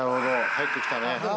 入ってきたね。